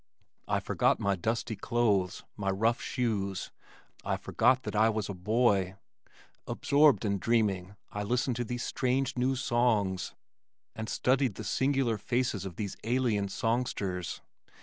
I forgot my dusty clothes, my rough shoes, I forgot that I was a boy. Absorbed and dreaming I listened to these strange new songs and studied the singular faces of these alien songsters.